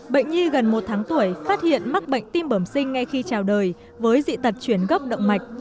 bệnh nhi gần một tháng tuổi phát hiện mắc bệnh tim bẩm sinh ngay khi trào đời với dị tật chuyển gốc động mạch